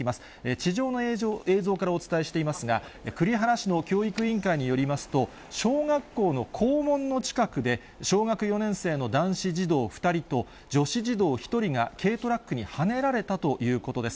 地上の映像からお伝えしていますが、栗原市の教育委員会によりますと、小学校の校門の近くで、小学４年生の男子児童２人と、女子児童１人が軽トラックにはねられたということです。